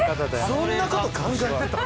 そんなこと考えてたん！？